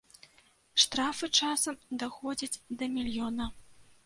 Штрафы часам даходзяць да мільёна.